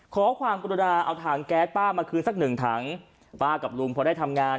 ขอความกรุณาเอาถังแก๊สป้ามาคืนสักหนึ่งถังป้ากับลุงพอได้ทำงาน